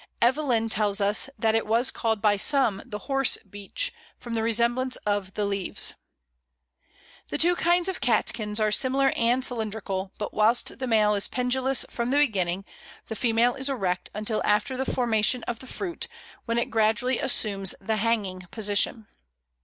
Evelyn tells us that it was called by some the Horse beech, from the resemblance of the leaves. [Illustration: Pl. 21. Hornbeam summer.] [Illustration: Hornbeam.] The two kinds of catkins are similar and cylindrical, but whilst the male is pendulous from the beginning, the female is erect until after the formation of the fruit, when it gradually assumes the hanging position.